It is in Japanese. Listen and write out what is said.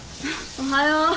おはよう。